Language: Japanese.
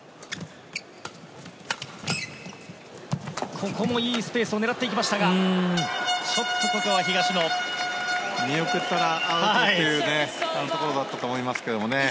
ここもいいスペースを狙っていきましたが見送ったらアウトというところだったと思いますけどね。